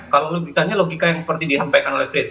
kalau logikanya logika yang seperti disampaikan oleh frits